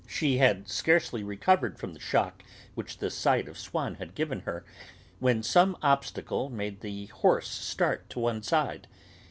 She had scarcely recovered from the shock which the sight of Swann had given her, when some obstacle made the horse start to one side.